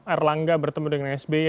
erlangga bertemu dengan sby